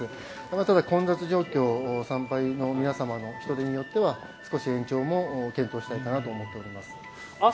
ただ、混雑状況参拝の皆さんの人出によっては少し延長も検討したいかなと思っています。